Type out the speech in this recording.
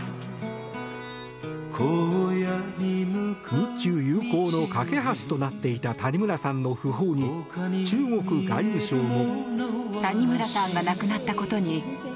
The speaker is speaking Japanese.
日中友好の懸け橋となっていた谷村さんの訃報に中国外務省も。